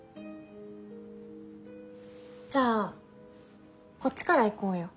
じゃあこっちから行こうよ。